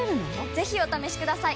ぜひお試しください！